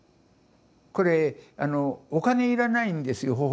これお金要らないんですよ